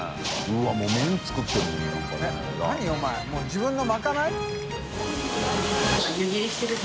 拭もう自分のまかない？